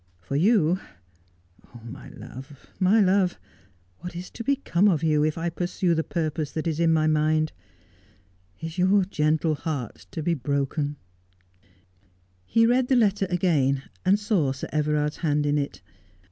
Eor you — oh, my love, my love, what is to become of you if I pursue the purpose that is in my mind ? Is your gentle heart to be broken 1 ' He read the letter again, and saw Sir Everard's hand in it.